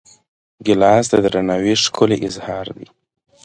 ګیلاس د درناوي ښکلی اظهار دی.